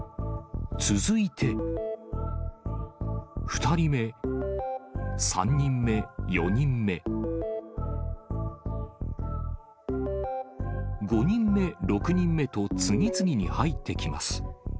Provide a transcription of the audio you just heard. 続いて、２人目、３人目、４人目、５人目、６人目と、次々に入ってきます。